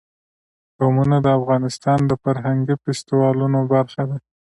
قومونه د افغانستان د فرهنګي فستیوالونو برخه ده.